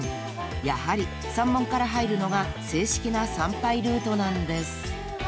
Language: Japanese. ［やはり山門から入るのが正式な参拝ルートなんです］